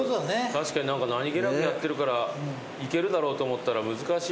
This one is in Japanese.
確かに何気なくやってるからいけるだろうと思ったら難しい。